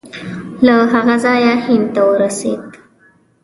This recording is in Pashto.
له هغه ځایه هند ته ورسېد.